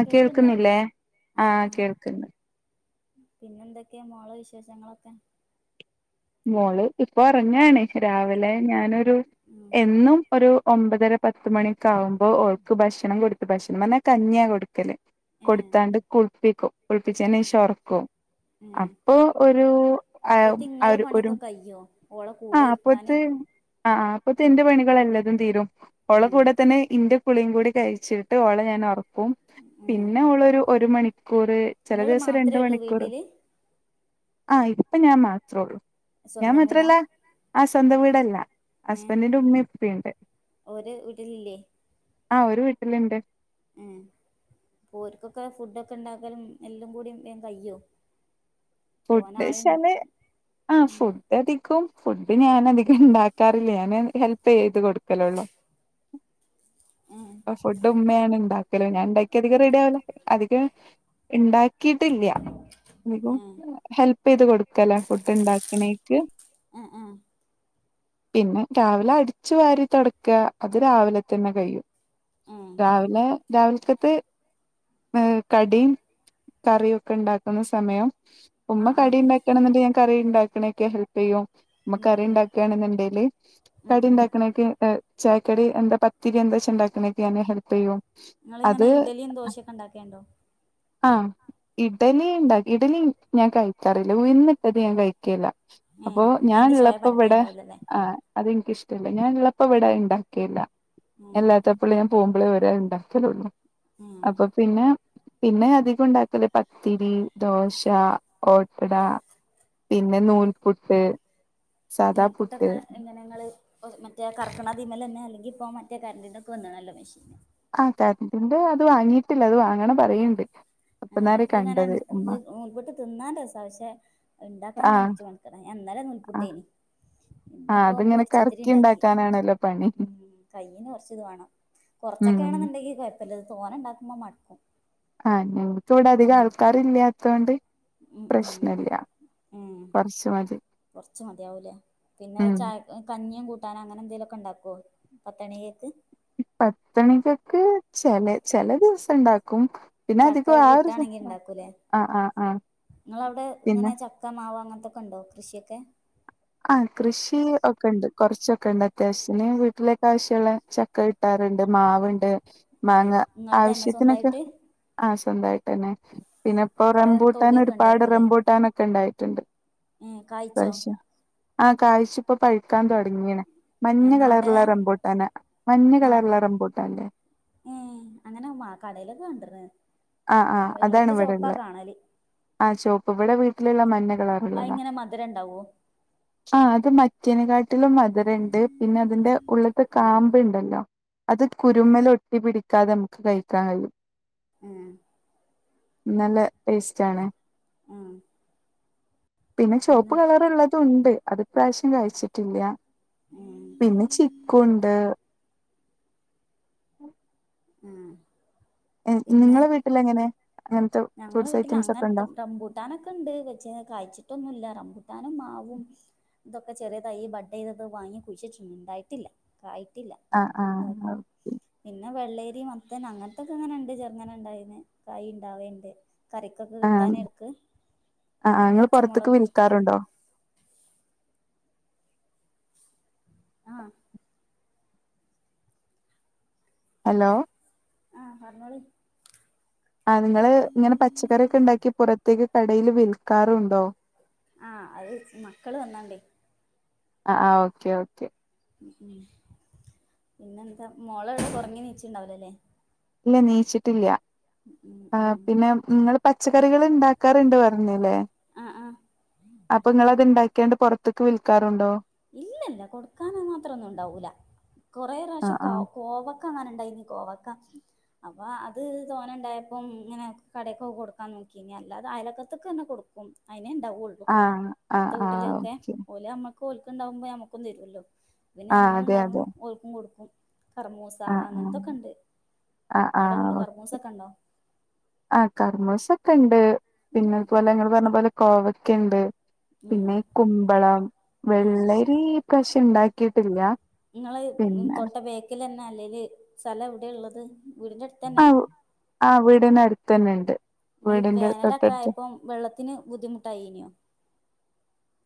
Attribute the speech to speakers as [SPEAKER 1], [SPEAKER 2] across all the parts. [SPEAKER 1] ആ
[SPEAKER 2] കേൾക്കണ്ടോ?
[SPEAKER 1] കേൾക്കുന്നില്ലേ ആ
[SPEAKER 2] ആഹ് ആഹ്.
[SPEAKER 1] കേൾക്കുന്നു
[SPEAKER 2] പിന്നെ എന്തൊക്കെയാ മോളേ വിശേഷങ്ങളൊക്കെ?
[SPEAKER 1] മോള് ഇപ്പൊ ഉറങ്ങാണ്. രാവിലെ ഞാനൊരു
[SPEAKER 2] ഉം
[SPEAKER 1] എന്നും ഒരു ഒമ്പതര പത്ത് മണിയൊക്കെ ആകുമ്പോ ഓൾക്ക് ഭക്ഷണം കൊടുത്തു. ഭക്ഷണം പറഞ്ഞാ കഞ്ഞിയാ കൊടുക്കല്.
[SPEAKER 2] ഏഹ്
[SPEAKER 1] കൊടുത്താണ്ട് കുളിപ്പിക്കും. കുളിപ്പിച്ചതിനു ശേഷം ഉറക്കും. അപ്പൊ ഒരു ആഹ്
[SPEAKER 2] നിങ്ങളെ പണിയൊക്കെ കയ്യോ? ഓളെ കൂടെ
[SPEAKER 1] ആഹ്
[SPEAKER 2] ഇരിക്കാന്
[SPEAKER 1] അപ്പോത്ത് ആഹ് അപ്പോത്ത് എന്റെ പണികൾ എല്ലതും തീരും. ഓളെ
[SPEAKER 2] ഏഹ്
[SPEAKER 1] കൂടെ തന്നെ ഇന്റെ കുളിയും കൂടി കഴിച്ചിട്ട് ഓളെ ഞാൻ ഉറക്കും.
[SPEAKER 2] ഏഹ്
[SPEAKER 1] പിന്നെ ഓള്ളോരു ഒരു മണിക്കൂറ് ചെലെ
[SPEAKER 2] ഇങ്ങള്
[SPEAKER 1] ദിവസം രണ്ട്
[SPEAKER 2] മാത്രേ ഒള്ളൂ
[SPEAKER 1] മണിക്കൂർ
[SPEAKER 2] വീട്ടില്
[SPEAKER 1] അഹ് ഇപ്പ ഞാൻ മാത്രം ഒള്ളൂ
[SPEAKER 2] സ്വന്തം വീടാ
[SPEAKER 1] അഹ് സ്വന്തം വീടല്ല
[SPEAKER 2] ഏഹ്
[SPEAKER 1] ഹസ്ബന്റിന്റെ ഉമമീം ഇപ്പീണ്ട്
[SPEAKER 2] ഓര് വീട്ടിലില്ലേ
[SPEAKER 1] അഹ് ഓര് വീട്ടിലുണ്ട്
[SPEAKER 2] അഹ് ഓൽക്കൊക്കെ ഫുഡൊക്കെ ഇണ്ടാക്കാലും എല്ലം കൂടി വേം കയ്യോ തോനെ ആള്
[SPEAKER 1] ഫുഡൈച്ചാൽ ആഹ്
[SPEAKER 2] ഏഹ്
[SPEAKER 1] ഫുഡ് അധികം ഫുഡ് ഞാൻ അധികം ഉണ്ടാക്കാറില്ല ഞാന് ഹെൽപ്പ് ചെയ്ത് കൊടുക്കലൊള്ളൂ
[SPEAKER 2] [unintelligible] ഏഹ്
[SPEAKER 1] ഫുഡ് ഉമ്മയാണ് ഇണ്ടാക്കല് ഞാൻ ഉണ്ടാക്കിയ അധികം റെഡി ആവില്ല അധികം ഇണ്ടാക്കിട്ടില്ല ഇനി ഇപ്പ
[SPEAKER 2] ഏഹ്
[SPEAKER 1] ഹെൽപ് ചെയ്ത് കൊടുക്കല ഫുഡ് ഇണ്ടാക്ക്‌ണീക്ക്
[SPEAKER 2] ഏഹ് ഏഹ്
[SPEAKER 1] പിന്നാ രാവിലെ അടിച്ചു വാരി തൊടക്ക അത് രാവിലെ തന്നെ കഴിയും
[SPEAKER 2] ഏഹ്
[SPEAKER 1] രാവിലെ രാവിലക്കത്ത് ഏയ് കടിയും കറിയും ഒക്കെ ഉണ്ടാക്കുന്ന സമയം ഉമ്മ
[SPEAKER 2] ആഹ് ആഹ്
[SPEAKER 1] കടി ഇണ്ടാക്കാണെ എന്ന ഞാൻ കറി ഇണ്ടാക്കണ ഒക്കെ ഹെല്പ് ചെയ്യും ഉമ്മ
[SPEAKER 2] ഉം
[SPEAKER 1] കറി
[SPEAKER 2] ഉം
[SPEAKER 1] ഉണ്ടാക്കാണ്‌ണ്ടങ്കിൽ ഞാൻ
[SPEAKER 2] ഉം
[SPEAKER 1] കടി
[SPEAKER 2] ഉം
[SPEAKER 1] ഉണ്ടാക്ക്ണക്കെ ചായക്കടി എന്താ പത്തിരി എന്താച്ചാ ഇണ്ടാക്കണേ [unintelligible] ഹെൽപിയ്യും
[SPEAKER 2] ഇങ്ങള് ഇങ്ങനെ ഇഡലിം ദോശയൊക്കെ ഇണ്ടാക്കേണ്ടോ
[SPEAKER 1] ആഹ് ഇഡലി ഇണ്ടാ ഇഡലി ഞാൻ കഴിക്കാറില്ല ഉയ്ന്നിട്ടത് ഞാൻ കഴിക്കാറില്ല
[SPEAKER 2] ഏ
[SPEAKER 1] അപ്പോ ഞാൻ
[SPEAKER 2] അതിന്റെ ചോയ
[SPEAKER 1] ഇള്ളപ്പോ ഇവടെ
[SPEAKER 2] പറ്റേണ്ടാവില്ലല്ലേ
[SPEAKER 1] അഹ് അത് ഇൻക്ക്‌ ഇഷ്ടല്ല ഞാൻ ഇള്ളപ്പോ ഇവിടെ ഇണ്ടാക്കേല്ല ഞാൻ
[SPEAKER 2] ഉം
[SPEAKER 1] ഇല്ലാത്ത ഇപ്പളെ ഞാൻ പോകുമ്പോളേ ഒരഹ് ഇണ്ടാക്കലൊള്ളൂ
[SPEAKER 2] ഉം
[SPEAKER 1] അപ്പ പിന്നെ പിന്നെ അധികം ഉണ്ടാക്കല് പത്തിരി ദോ [unintelligible] ഓട്ടട
[SPEAKER 2] ഉം
[SPEAKER 1] പിന്നെ നൂൽ പുട്ട്
[SPEAKER 2] നൂൽപുട്ടൊക്കെ എങ്ങനെ ഇങ്ങള് മറ്റെ കർക്ക്‌ണതിമേലന്നെ അല്ലെങ്കി ഇപ്പോ മറ്റേ കരണ്ടിന്റെ ഒക്കെ വന്നീണല്ലോ മിഷീൻ
[SPEAKER 1] ആ കരറിന്റെ അത് വാങ്ങിയിട്ടില്ല അത് വാങ്ങണം പറീണ്ട്
[SPEAKER 2] ഏയ് ഇത് ഇങ്ങനെ [unintelligible] നൂൽപുട്ട് തിന്നാൻ രസാ പഷേ ഇണ്ടാക്കാൻ
[SPEAKER 1] ആഹ്
[SPEAKER 2] കൊറച്ച് മൻകട ഞാൻ ഇന്നലെ
[SPEAKER 1] ആഹ്
[SPEAKER 2] നൂൽപുട്ടേയ്നി ഇന്ന്
[SPEAKER 1] ആഹ്
[SPEAKER 2] ഇപ്പോ
[SPEAKER 1] അതിങ്ങനെ
[SPEAKER 2] പൊരിച്ചത്തിരി
[SPEAKER 1] കറക്കി
[SPEAKER 2] ഇണ്ടാക്കി
[SPEAKER 1] ഉണ്ടാക്കാനാണല്ലോ പണി
[SPEAKER 2] ഉം കൈയ്യിന് കൊറച്ച് ഇത് വാണം
[SPEAKER 1] ഉം
[SPEAKER 2] കൊറച്ചൊക്കെണ് ന്നുണ്ടെങ്കി കൊഴപ്പമില്ല ഇത് തോനെ ഇണ്ടാക്കുമ്പോ മടക്കും
[SPEAKER 1] ആഹ് ഞങ്ങൾക്ക് ഇവിടെ അധികം ആൾക്കാർ ഇല്ലാതോൻണ്ട്
[SPEAKER 2] ഉം ഉം ഉം
[SPEAKER 1] കൊറച്ച് മതി
[SPEAKER 2] കൊർച്ച് മതിയാവൂലേ പിന്നെ
[SPEAKER 1] ഉം
[SPEAKER 2] ചായ ഹ്കഞ്ഞിയും കൂട്ടാനും അങ്ങനെ എന്തേലൊക്കെ ഇണ്ടാക്കോ പത്ത്ണിയേക്ക്
[SPEAKER 1] പത്ത്ണികക്ക് ചെലെ ചെലെ ദിവസം ഇണ്ടാക്കും പിന്നെ
[SPEAKER 2] ചക്ക
[SPEAKER 1] അധികം
[SPEAKER 2] ഒക്കെ
[SPEAKER 1] ആ ഒരു
[SPEAKER 2] കിട്ടാണെങ്കിൽ ഇണ്ടാക്കും ലെ
[SPEAKER 1] ആഹ് ആഹ് ആഹ്
[SPEAKER 2] ഇങ്ങളെ അവടെ
[SPEAKER 1] പിന്നെ
[SPEAKER 2] ഇങ്ങനെ ച ത്ത മാവ് അങ്ങൻത്തൊക്കെ ഇണ്ടോ കൃഷിയെക്കെ
[SPEAKER 1] ആഹ് കൃഷി ഒക്കെ ഇണ്ട് കൊർച്ചൊക്കെ ഇണ്ട് അത്യാവശ്യത്തിന് വീട്ടിലേക്ക ആവശ്യള്ളെ ച ക്ക ഇട്ടാറ്ണ്ട് മാവ്ണ്ട് മാങ്ങ
[SPEAKER 2] നിങ്ങളത് തന്നെ
[SPEAKER 1] ആവശ്യത്തിനെക്കെ
[SPEAKER 2] സ്വന്തമായിട്ട്
[SPEAKER 1] ആഹ് സ്വന്തായിട്ടെന്നെ പിന്നെ ഇപ്പോ
[SPEAKER 2] കുറേ
[SPEAKER 1] റംബൂട്ടാൻ
[SPEAKER 2] തൊടിയൊക്കെ
[SPEAKER 1] ഒരുപാട് റംബൂട്ടാനൊക്കെ ഇണ്ടായിറ്റ്ണ്ട്
[SPEAKER 2] ഏഹ് കായിച്ചോ
[SPEAKER 1] ആഹ് കായിച്ചു ഇപ്പൊ പഴ്ക്കാൻ തൊടങ്ങിണ് മഞ്ഞ
[SPEAKER 2] നാടനാ
[SPEAKER 1] കളറ്ള്ളെ റംബൂട്ടാനാ മഞ്ഞ കളറ്ള്ള റംബൂട്ടാൻ ഇല്ലേ
[SPEAKER 2] ഏഹ് അങ്ങനെ മാ കടയിലൊക്കെ കണ്ട്റ്
[SPEAKER 1] ആ
[SPEAKER 2] എല്ലോട്ത്തും ചോപ്പാ കാണല്
[SPEAKER 1] ആഹ് ചോപ്പ് ഇവെടെ വീട്ടില് ഇള്ള മഞ്ഞ
[SPEAKER 2] അത്
[SPEAKER 1] കളറ്ള്ളതാ
[SPEAKER 2] ഇങ്ങനെ മധുരം ഉണ്ടാവോ
[SPEAKER 1] ആഹ് അത് മറ്റേയ്നെ കാട്ടിലും മധുരം ഇണ്ട് പിന്നെ അതിന്റെ ഉള്ള്ത്തെ കാമ്പ് ഇണ്ടല്ലോ അത് കുരുമ്മെല് ഒട്ടി പിടിക്കാതെ ഞമ്മക്ക് കഴിക്കാൻ കഴിയും
[SPEAKER 2] ഏഹ്
[SPEAKER 1] ഇന്നെലെ ടേസ്റ്റാണ് പിന്നെ ചോപ്പ് കളറ്ള്ളതും ഇണ്ട് അത് ഇപ്രാശ്യം കയിച്ചിട്ടില്യ പിന്നെ ചിക്കു ഇണ്ട്
[SPEAKER 2] ഏഹ്
[SPEAKER 1] ഏഹ് നിങ്ങളെ വീട്ടിലെങ്ങെനെ
[SPEAKER 2] ഞങ്ങള വീട്ടില് അങ്ങൻത്തെ റംബു ട്ടാനൊക്കെ ഇണ്ട് പച്ചേ കായ്ച്ചിട്ടൊന്നുല്ല റംബുട്ടാനും മാവും ഇതൊക്കെ ചെറിയ തയ്യ് ബഡെെതത് വാങ്ങി കുഴിച്ച് വെച്ച്ണ് ഇണ്ടായിട്ടില്ല കായിട്ടില്ല
[SPEAKER 1] ആഹ്
[SPEAKER 2] ഇതാക്കീ
[SPEAKER 1] ആഹ്
[SPEAKER 2] ക്കണ് പിന്നെ വെള്ളേരി മത്തൻ അങ്ങൻത്തെക്കെ ഇങ്ങനെ ഇണ്ട് ചെർങ്ങനെ ഇണ്ടായിന് കായി ഇണ്ടാവേണ്ട് കറികൊക്കെ
[SPEAKER 1] ആഹ്
[SPEAKER 2] കിട്ടാന് എട്ക്ക്
[SPEAKER 1] ആഹ്
[SPEAKER 2] പിന്നെ
[SPEAKER 1] നിങ്ങൾ പുറത്തേക്ക്
[SPEAKER 2] പച്ചമൊളക്
[SPEAKER 1] വിൽക്കാറുണ്ടോ
[SPEAKER 2] ആഹ്
[SPEAKER 1] ഹലോ
[SPEAKER 2] ആഹ് പർഞ്ഞോളിം
[SPEAKER 1] ആഹ് നിങ്ങള് ഇങ്ങനെ പച്ചക്കറിയൊക്കെ ഇണ്ടാക്കി പുറത്തേക്ക് കടയില് വിൽക്കാറുണ്ടോ
[SPEAKER 2] ആഹ് അത് ച്ച് മക്കള് വന്നോണ്ടൈ
[SPEAKER 1] അ ആഹ് ഓക്കെ ഓക്കെ
[SPEAKER 2] ഉം ഉം പിന്നെന്താ മോളെവെടെ ഒറങ്ങി നീച്ചീണ്ടാവൂലലേ
[SPEAKER 1] ഇല്ല നീച്ചിട്ടില്യാ
[SPEAKER 2] ഉം
[SPEAKER 1] ആഹ്
[SPEAKER 2] ഉം
[SPEAKER 1] പിന്നെ ഇങ്ങള് പച്ചക്കറികള് ഇണ്ടാക്കാറ്ണ്ട് പർഞ്ഞിലെ
[SPEAKER 2] ആഹ് ആഹ്
[SPEAKER 1] അപ്പൊ ഇങ്ങളത് ഇണ്ടാക്കിയാണ്ട് പൊറത്ത്ക്ക് വിൽക്കാറുണ്ടോ
[SPEAKER 2] ഇല്യ ഇല്ല കൊട്ക്കാന് മാത്രൊന്നും ഇണ്ടാവൂല കൊറേ റാഷം
[SPEAKER 1] ആഹ്
[SPEAKER 2] കൗ കോവ ക്ക അങ്ങനെ ഇണ്ടായിനീ കോവക്ക അപ്പ അത് തോനെ ഇണ്ടായപ്പം ഇങ്ങനെ കടേകൊക്കെ കൊടുക്കാൻ നോക്കി ഇനിയല്ലാതെ അയലോക്കത്ത്ക്ക് അന്നെ കൊട്ക്കും ഐനേ ഇണ്ടാവൊള്ളു
[SPEAKER 1] ആഹ് ആഹ് ആഹ്
[SPEAKER 2] അട്ത്ത വീട്ടില്
[SPEAKER 1] ആഹ്
[SPEAKER 2] ഒക്കെ
[SPEAKER 1] ഓക്കെ
[SPEAKER 2] ഓല് നമ്മക്ക് ഇപ്പൊ ഓൽക്ക് ഇണ്ടാവുമ്പൊ ഞമ്മക്കും തെരുവല്ലോ പിന്നെ
[SPEAKER 1] ആഹ്
[SPEAKER 2] ഞമ്മളത്
[SPEAKER 1] അതെ
[SPEAKER 2] ഇണ്ടാകും
[SPEAKER 1] അതെ
[SPEAKER 2] ഓല്ക്കും കൊടുക്കും കറമൂസ
[SPEAKER 1] ആഹ്
[SPEAKER 2] അങ്ങൻത്തൊക്കെ ഇണ്ട്
[SPEAKER 1] ആഹ് ആഹ്
[SPEAKER 2] അവടെ ഇണ്ടോ
[SPEAKER 1] ആഹ്
[SPEAKER 2] കർറമൂസെക്കണ്ടോ
[SPEAKER 1] ആഹ് കർമൂസൊക്കണ്ട്
[SPEAKER 2] ഉം ഉം
[SPEAKER 1] പിന്നതുപോലെ ഇങ്ങള് പറഞ്ഞ പോലെ കോവക്കെണ്ട്
[SPEAKER 2] ഉം
[SPEAKER 1] പിന്നേ കുമ്പളം
[SPEAKER 2] ഉം
[SPEAKER 1] വെള്ളരി ഇപ്രാശ്യം ഇണ്ടാക്കീട്ടില്ല്യാ
[SPEAKER 2] ഇങ്ങള് ഇൻ തൊട്ട ക്ക്യലെന്നെ അല്ലേല് സലം എവ്ടെയിള്ളത് വീടിന്റടുത്തന്നെ
[SPEAKER 1] ആഹ് ആഹ് വീടിന് അടുത്ത് തന്നെ ഉണ്ട്
[SPEAKER 2] ഈ
[SPEAKER 1] വീടിന്റെ തൊട്ടടുത്ത്
[SPEAKER 2] വേനലൊക്കായപ്പം വെള്ളത്തിന് ബുദ്ധിമുട്ടായീനിയോ?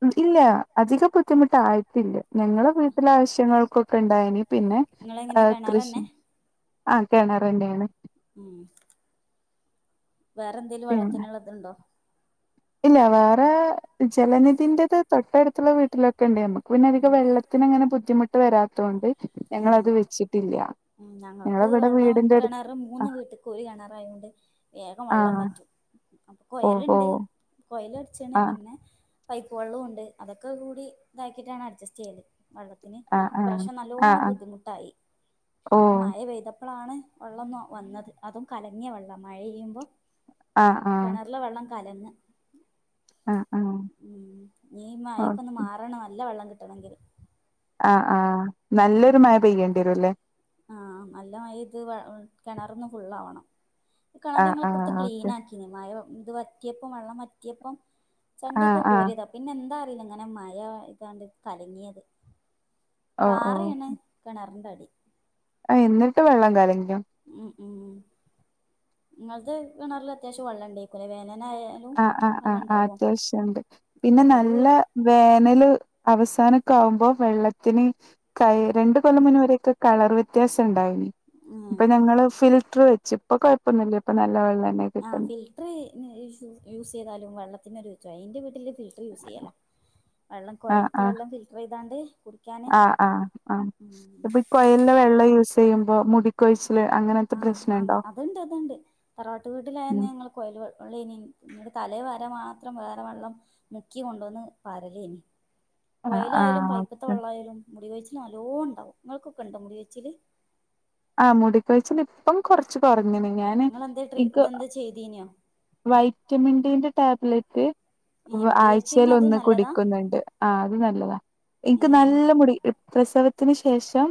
[SPEAKER 1] ഉം ഇല്ലാ അധികം ബുദ്ധിമുട്ടായിട്ടില്ല ഞങ്ങള വീട്ടിലാവശ്യങ്ങൾക്കൊക്കെ ഇണ്ടായിനി പിന്നെ
[SPEAKER 2] നിങ്ങളെങ്ങനെ
[SPEAKER 1] ആഹ് കൃഷ്
[SPEAKER 2] കിണറന്നെ
[SPEAKER 1] ആ കെണറന്നേണ്
[SPEAKER 2] ഉം വേറെന്തേലും വെള്ളത്തിന്ള്ള ഇത്ണ്ടോ?
[SPEAKER 1] ഇല്ല്യാ വേറേ ജലനിധിൻ്റത് തൊട്ടടുത്ത്ള്ള വീട്ടിലൊക്കെണ്ട് നമുക്ക് പിന്നെ
[SPEAKER 2] ഉം
[SPEAKER 1] അധികം വെള്ളത്ത് ത്തിനങ്ങനെ ബുദ്ധിമുട്ട് വരാത്ത കൊണ്ട്
[SPEAKER 2] ഉം
[SPEAKER 1] ഞങ്ങളത് വെച്ചിട്ടിൽ
[SPEAKER 2] ഉം ഞങ്ങക്ക് വെള്ളം കെണറ് മൂന്ന്
[SPEAKER 1] ആഹ്
[SPEAKER 2] വീട്ട്ക്കൊരു കെണറായോണ്ട് വേഗം വള്ളം
[SPEAKER 1] ആഹ്
[SPEAKER 2] വറ്റും അപ്പൊ
[SPEAKER 1] ഓ ഓ
[SPEAKER 2] കൊയല്ണ്ട് കൊയലടിച്ചണ്
[SPEAKER 1] ആഹ്
[SPEAKER 2] പിന്നെ പൈപ്പ് വള്ളോണ്ട് അതൊക്കെ കൂടി ഇതാക്കിട്ടാണ് അഡ്ജസ്റ്റെയ്യല് വള്ളത്തിന്
[SPEAKER 1] ആഹ് ആഹ്
[SPEAKER 2] ഇപ്രാശ്യം നൽ
[SPEAKER 1] ആഹ്
[SPEAKER 2] ല്ലോണം
[SPEAKER 1] ആഹ്
[SPEAKER 2] ബുദ്ധിമുട്ടായി
[SPEAKER 1] ഓ
[SPEAKER 2] ഇപ്പം മയ ഴ പെയ്തപ്പളാണ് വെള്ളൊന്ന് വന്നത് അതും കലങ്ങിയ വള്ളം മഴെയ്യുമ്പോ
[SPEAKER 1] ആഹ് ആഹ്
[SPEAKER 2] കെണറിലെ വെള്ളം കലങ്ങ
[SPEAKER 1] ആഹ് ആഹ്
[SPEAKER 2] ഉം ഇഞ്ഞീ മയെക്കൊന്ന്
[SPEAKER 1] ഓക്കെ
[SPEAKER 2] മാറണം നല്ല വള്ളം കിട്ടണെങ്കില്
[SPEAKER 1] ആഹ് ആഹ് നല്ലൊരു
[SPEAKER 2] ഉം
[SPEAKER 1] മയ പെയ്യണ്ടി വരുംലെ
[SPEAKER 2] ആഹ് നല്ല മയെയ്ത് കെണറൊന്ന് ഫുള്ളാവാണം
[SPEAKER 1] ആഹ്
[SPEAKER 2] കെണർങ്ങള്
[SPEAKER 1] ആഹ്
[SPEAKER 2] ഇപ്പടുത്തെ
[SPEAKER 1] ഓക്കെ
[SPEAKER 2] ക്ലീൻ ആക്കി മഴ ഇത് വറ്റിയപ്പം വള്ളം വറ്റിയപ്പം
[SPEAKER 1] ആഹ്
[SPEAKER 2] ചണ്ടിയൊക്കെ
[SPEAKER 1] ആഹ്
[SPEAKER 2] കോരിയതാ പിന്നെ എന്താ അറീല ഇങ്ങനെ മഴ ഇതാണ്ട് കലങ്ങിയത്
[SPEAKER 1] ഓ ഓ
[SPEAKER 2] പാറേണ് കെണറ്ന്റെ അടി
[SPEAKER 1] ആ എന്നിട്ടും വെള്ളം കലങ്യോ?
[SPEAKER 2] ഉം ഉം ഇങ്ങൾത് കെണർല്‌ അത്യാവശ്യം വള്ളംണ്ടെയ്ക്കൂലേ വേനലാ
[SPEAKER 1] ആഹ് ആഹ് ആഹ് ആഹ് അത്യാവശ്യണ്ട് പിന്നെ
[SPEAKER 2] ഒരു
[SPEAKER 1] നല്ല
[SPEAKER 2] വീട്ട്
[SPEAKER 1] വേനല് അവസാനൊക്കെ ആവൂമ്പോ വെള്ളത്തിന് ക രണ്ട്കൊല്ലം മുന്നേ കളർ വ്യത്യാസം ഇണ്ടായിനിം
[SPEAKER 2] ആഹ്
[SPEAKER 1] ഇപ്പൊ ഞങ്ങള് ഫിൽറ്റർ വെച്ച് ഇപ്പൊ കൊഴപ്പൊന്നുല്ല ഇപ്പ നല്ല വെള്ളെന്നേണ്
[SPEAKER 2] ആ ഫിൽറ്റർ യൂസ് ചെയ്താലും വെള്ളത്തിനൊരു ചൊയെ ഇന്റെ വീട്ടില് ഫിൽ യൂസ് ചെയ്യല വെള്ളം
[SPEAKER 1] ആഹ്
[SPEAKER 2] കോയൽത്തെ
[SPEAKER 1] ആഹ്
[SPEAKER 2] വെള്ളം ഫിൽറ്റർ ചെയ്താണ്ട് കുടിക്കാന്
[SPEAKER 1] ആഹ് ആഹ് ആഹ്
[SPEAKER 2] ഉം
[SPEAKER 1] ഇപ്പൊ കൊയൽന്റെ വെള്ളം യൂസ് ചെയ്യുമ്പോ മുടി
[SPEAKER 2] ആഹ് ആ അത്ണ്ട് അത്ണ്ട് തറവാട്ട് വീട്ടിലായന്ന്
[SPEAKER 1] ഉം
[SPEAKER 2] ഞങ്ങള് കൊഴൽ വള്ളെയ്നി ഇന്നട്ട് തലേ വരാം മാത്രം വേറെ വള്ളം മുക്കി കൊണ്ടുവന്ന് പാരലെയ്നി
[SPEAKER 1] ആഹ്
[SPEAKER 2] കൊയലായാലും
[SPEAKER 1] ആഹ്
[SPEAKER 2] പൈപ്പ്ത്തെ
[SPEAKER 1] ഓക്കെ
[SPEAKER 2] വള്ളായാലും മുടികൊഴിച്ചില്ല് നല്ലോണ്ടാവും ഇങ്ങൾക്കൊക്കെ ഇണ്ടോ മുടികൊയ്ച്ചില്
[SPEAKER 1] ആ മുടികൊയ്ചില് ഇപ്പം കൊർച്ച് കൊർഞ്ഞ്ണ് ഞാന് ഇൻക്ക്
[SPEAKER 2] ചെയ്തീന്യോ
[SPEAKER 1] വൈറ്റമിൻ ഡിന്റെ ടാബ്ലറ്റ്
[SPEAKER 2] ഏ മുടി
[SPEAKER 1] ആഴ്ചയിൽ
[SPEAKER 2] കൊഴിച്ചിലിന്
[SPEAKER 1] ഒന്ന്
[SPEAKER 2] അതും നല്ലതാ
[SPEAKER 1] കുടിക്കുന്നുണ്ട് ആ അത് നല്ലതാ
[SPEAKER 2] ഏ
[SPEAKER 1] ഇൻക്ക് നല്ല മുടി ഇ പ്രസവത്തിന് ശേഷം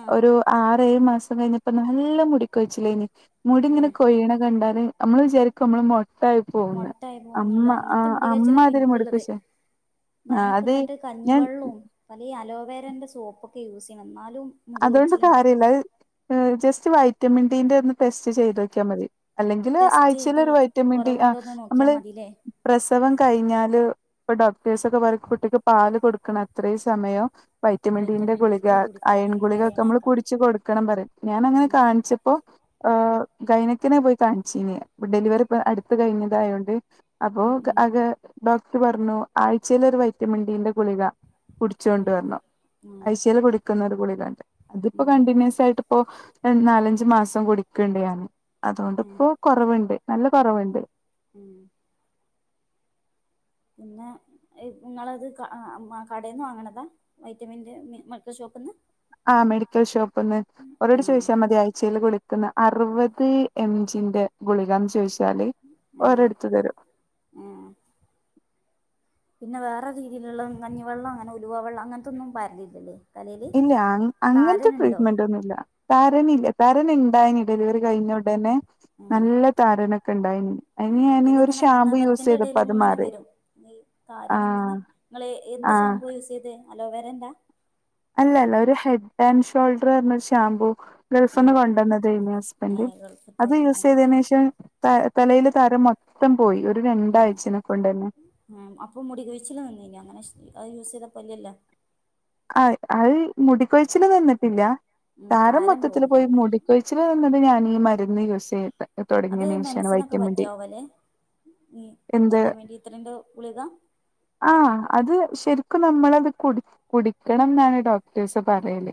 [SPEAKER 2] ആ
[SPEAKER 1] ഒരു ആറേ, ഏഴ് മാസം കഴിഞ്ഞപ്പോ നല്ല മുടി കൊഴിച്ചില്ലേനി മുടി ഇങ്ങനെ
[SPEAKER 2] ഏ
[SPEAKER 1] കൊയ്യ്ണെ കണ്ടാല് അമ്മള് വിചാരിക്കും അമ്മള് മൊ
[SPEAKER 2] മൊട്ടായി പോന്നുള്ള അങ്ങൻത്തെ മുടി കൊയ്‌ച്ചില് ഇപ്പൊ
[SPEAKER 1] അമ്മാതിരി
[SPEAKER 2] ഇൻക്ള്ളത്
[SPEAKER 1] മുടിക്കൊഴിച്ചിലാ ആ
[SPEAKER 2] ഞാനിപ്പ
[SPEAKER 1] അത്
[SPEAKER 2] ഇന്നട്ട്
[SPEAKER 1] ഞാൻ
[SPEAKER 2] കഞ്ഞിവെള്ളും പലേ അലോവേറന്റെ സോപ്പൊക്കെ യൂസ് ചെയ്യ്ണ് ഇന്നാലും
[SPEAKER 1] അതോണ്ട് കാര്യല്ല്യ ജസ്റ്റ് വൈറ്റമിൻ ഡീന്റെ ഒന്ന് ടെസ്റ്റ് ചെയ്ത് ഒക്കിയാൽ മതി. അല്ലെങ്കില്
[SPEAKER 2] ടെസ്റ്റ്
[SPEAKER 1] ആഴ്ചൽ
[SPEAKER 2] ചെയ്ത്
[SPEAKER 1] ഒരു വൈറ്റമിൻ ഡി ആഹ്
[SPEAKER 2] കുറവുണ്ടോന്ന് നോക്കിയാൽ
[SPEAKER 1] മ്മള്
[SPEAKER 2] മതില്ലേ
[SPEAKER 1] പ്രസവം കഴിഞ്ഞാല് ഇപ്പ ഡോക്ടേഴ്സൊക്കെപറയും കുട്ടിക്ക് പാല് കൊടുക്കണത്രയും സമയം വൈറ്റമിൻ ഡിന്റെ
[SPEAKER 2] ഡി
[SPEAKER 1] ഗുളിക
[SPEAKER 2] ത്രീ
[SPEAKER 1] അയേൺ
[SPEAKER 2] കുടിക്കണംന്ന്
[SPEAKER 1] ക്കെ
[SPEAKER 2] പറയണേക്കാം
[SPEAKER 1] പൊടിച്ച് കൊടുക്കണം പറയും ഞാനങ്ങനെ
[SPEAKER 2] ഉം
[SPEAKER 1] കാണിച്ചപ്പോ
[SPEAKER 2] ഉം
[SPEAKER 1] ഏഹ് ഗയ്നിക്കിനെ പോയി കാണിചീനെ ഡെലിവറിപ്പ അടുത്ത കഴിഞ്ഞതായോണ്ട് അപ്പൊ
[SPEAKER 2] ഉം ഉം
[SPEAKER 1] അകേ ഡോക്ടർ പറഞ്ഞു ആഴ്ചേല് ഒരു വൈറ്റമിൻ ഡിന്റെ ഗുളിക കുടിച്ചോണ്ട്
[SPEAKER 2] ഉം
[SPEAKER 1] വരണം.
[SPEAKER 2] ഉം
[SPEAKER 1] അയച്ചെല് കുടിക്കുന്ന ഒരു ഗുളികാ തിപ്പോ
[SPEAKER 2] ഉം ഉം
[SPEAKER 1] കണ്ടിന്യൂസ് ആയിട്ട് ഇപ്പോ നാലഞ്ചു മാസം കുടിക്കേണ്ട് ഞാന്
[SPEAKER 2] ഉം
[SPEAKER 1] അതോണ്ടിപ്പോ കൊറവ്ണ്ട് നല്ല കൊറവ്ണ്ട്.
[SPEAKER 2] ഉം. പിന്നെ എ നിങ്ങളത് ക മ കടയിൽന്ന് വാങ്ങണതാ വൈറ്റമിൻന്റെ മെ മെഡിക്കൽ ഷോപ്പിൽ ന്ന്.
[SPEAKER 1] ആഹ് മെഡിക്കൽ ഷോപ്പ്ന്ന് ഓരോട് ചോദിച്ചാ മതി ആയ്ചേല് ഗുളി ക്കുന്ന അറുവത് എം ജീ ന്റെ ഗുളികാന്ന് ചോയിച്ചാല് ഓരെടുത്ത് തരും.
[SPEAKER 2] ആഹ്. പിന്നെ വേറെ രീതിയിലുള്ള കഞ്ഞിവെള്ളം അങ്ങനെ ഉലുവ വെള്ളം അങ്ങനത്തൊന്നും പയരുന്നില്ലല്ലേ?
[SPEAKER 1] ഇല്ല അങ്ങ് അങ്ങനത്തെ ട്രീറ്റ്മെന്റ്ന്നുല്ല്യ. തരനില്ല തരൻണ്ടായിനി ഡെലിവറി കഴിഞ്ഞ ഉടന്നെ
[SPEAKER 2] ഉം
[SPEAKER 1] നല്ല താരനൊക്കെ ഇണ്ടായിനി അയിന് ഞാനീ
[SPEAKER 2] എന്തേലും
[SPEAKER 1] ഒരു
[SPEAKER 2] ഇങ്ങനെ
[SPEAKER 1] ഷാമ്പൂ യൂസ്യ്തപ്പോ അത് മാറി. ആ
[SPEAKER 2] തരാനെങ്ങനേ നിങ്ങള് എന്ത്
[SPEAKER 1] ആ
[SPEAKER 2] ഷാമ്പൂ യൂസ് ചെയ്ത് അലോവേരന്റാ
[SPEAKER 1] അല്ലല്ല ഒരു ഹെഡ് ആൻഡ് ഷോൾഡറ് പറഞ്ഞ ഒരു ഷാമ്പൂ. ഗൾഫ്ന്ന്
[SPEAKER 2] ആഹ്
[SPEAKER 1] കൊണ്ടോന്നതേന്യൂ ഹസ്ബൻഡ്
[SPEAKER 2] ഏഹ്
[SPEAKER 1] അത് യൂസ്
[SPEAKER 2] ഗൾഫത്തായിരിക്കൂല്ലേ
[SPEAKER 1] ചെയ്തനേഷം ത തലയില് താരം മൊത്തം പോയി ഒരു രണ്ടാഴ്ചനെ കൊണ്ട്ന്നെ.
[SPEAKER 2] ഉം അപ്പോൾ മുടി കഴിച്ചിൽ നിന്നീനി അങ്ങനെ അത് യൂസ് യ്തപ്പോ ഇല്ലല്ലോ?
[SPEAKER 1] ആഹ് അത് മുടിക്കൊഴിച്ചില് നിന്നിട്ടില്ല
[SPEAKER 2] ഉം
[SPEAKER 1] താരം
[SPEAKER 2] താരൻ
[SPEAKER 1] മൊത്തത്തില്
[SPEAKER 2] പോവൂലേ
[SPEAKER 1] പോയി മുടി കൊഴിച്ചില് നിന്നത് ഞാൻ ഈ മരുന്ന് യൂസ് ചെയ്‌തിട്ട.
[SPEAKER 2] അത് മെൻസിനൊക്കെ പറ്റോവല്ലേ ഈ വൈറ്റമിൻ ഡി ത്രി ന്റെ ഗുളിക.
[SPEAKER 1] ആഹ് അത് ശരിക്കും നമ്മളത് കുടി കുടിക്കണം എന്നാണ് ഡോക്ട ടേസ് പറയേല്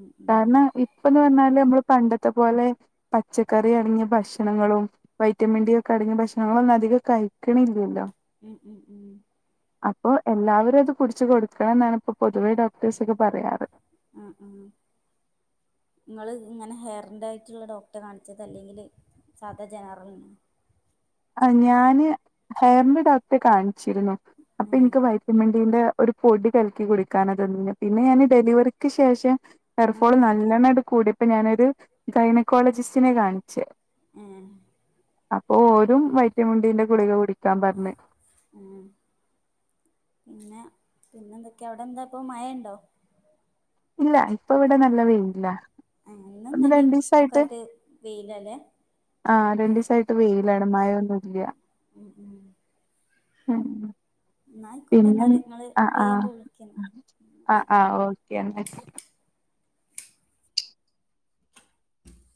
[SPEAKER 2] ഉം ഉം
[SPEAKER 1] കാരണം ഈ ഇപ്പൊന്നു പറഞ്ഞാല് നമ്മള് പണ്ടത്തെ പോലെ പച്ചക്കറി അടങ്ങിയ ഭക്ഷണങ്ങളും വൈറ്റമിൻ ഡി ഒക്കെ അടങ്ങിയ ഭക്ഷണങ്ങളൊന്നും അധികം കഴിക്കണില്ലല്ലോ-
[SPEAKER 2] ഉം ഉം ഉം.
[SPEAKER 1] അപ്പൊ എല്ലാവരും അത് കുടിച്ചു കൊടുക്കണം എന്നാണ് ഇപ്പോ പൊതുവെ ഡോക്ടേഴ്സ്ഒക്കെ പറയാറ്.
[SPEAKER 2] ഉം ഉം. ങ്ങള് ഇങ്ങനെ ഹെയറിൻന്റെ ആയിട്ടുള്ള ഡോക്ടറെ കാണിച്ചത് അല്ലെങ്കില് സാധാ ജനറൽ
[SPEAKER 1] ആഹ് ഞാന് ഹെയറിന്റെ ഡോക്ടറെ കാണിച്ചിരുന്നു അപ്പൊ
[SPEAKER 2] ആഹ്
[SPEAKER 1] എനിക്ക് വൈ വൈറ്റാമിൻ ഡി ന്റെ ഒരു പൊടി കലക്കി കുടിക്കാൻതന്നീന്നെ പിന്നെ ഞാൻ ഡെലിവറിക്ക് ശേഷം
[SPEAKER 2] ആഹ്
[SPEAKER 1] എർഫോളും
[SPEAKER 2] ആഹ്
[SPEAKER 1] നല്ലോണംട് കൂടിയപ്പൊ ഞാനൊരു ഗൈനക്കോളജിസ്റ്റിനെ കാണിച്ച്
[SPEAKER 2] ആഹ്
[SPEAKER 1] അപ്പൊ ഓരും വൈറ്റമിൻഡിന്റെ ഗുളിക കുടിക്കാൻ പറഞ്ഞ്.
[SPEAKER 2] ഉം പിന്നെ പിന്നെ എന്തൊക്കെയ അവിടെ എന്താ ഇപ്പൊ മയ ഉണ്ടോ?
[SPEAKER 1] ഇല്ല ഇപ്പൊ ഇവിടെ നല്ല വെയില.
[SPEAKER 2] ആഹ് ഇന്നും
[SPEAKER 1] ഒന്ന്
[SPEAKER 2] ഇന്നലെയും ഒക്ക
[SPEAKER 1] രണ്ടീസായിട്ട്
[SPEAKER 2] ആയിട്ട് വെയിലാല്ലെ?
[SPEAKER 1] ആഹ് രണ്ടു ദിവസായിട്ട് വെയിലമയ ഒന്നുല്ല്യാ.
[SPEAKER 2] ഉം ഉം ഇന്നാ
[SPEAKER 1] പിന്നെ
[SPEAKER 2] അയിക്കോട്ടെന്നാല്. ഇങ്ങള്
[SPEAKER 1] ആഹ് ആഹ്
[SPEAKER 2] ഫ്രീയാവുമ്പൊ വിളിക്കിന്നാല്.
[SPEAKER 1] ആഹ് ആഹ് ഓക്കെ എന്നാ [unintelligible]